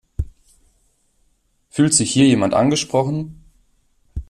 Fühlt sich hier jemand angesprochen?